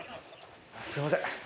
すいません